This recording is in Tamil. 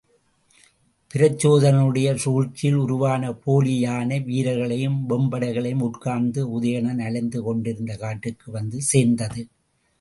பிரச்சோதனனுடைய சூழ்ச்சியில் உருவானப் போலி யானை, வீரர்களையும் வெம்படைகளையும் உட்கரந்து உதயணன் அலைந்து கொண்டிருந்த காட்டிற்கு வந்து சேர்ந்தது.